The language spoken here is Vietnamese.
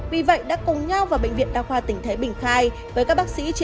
vì vậy đã cùng nhau vào bệnh viện đa khoa tỉnh thái bình khai